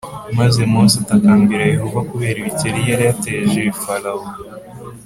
maze Mose atakambira Yehova e kubera ibikeri yari yateje Farawo